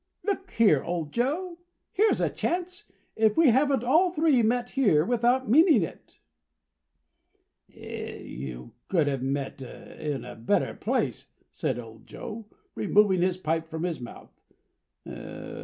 Look here, old Joe, here's a chance! If we haven't all three met here without meaning it!" "You couldn't have met in a better place," said old Joe, removing his pipe from his mouth.